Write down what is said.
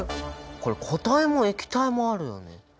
これ固体も液体もあるよね。